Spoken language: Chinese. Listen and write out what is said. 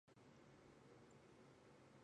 穆拉德二世。